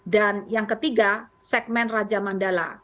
dan yang ketiga segmen raja mandala